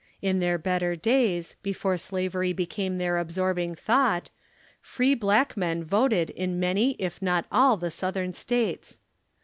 In their better days, before slavery became their absorbing thought, free black men voted in many if not all the Southern States.